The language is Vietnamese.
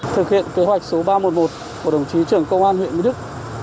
thực hiện kế hoạch số ba trăm một mươi một của đồng chí trưởng công an huyện mỹ đức